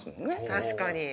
確かに。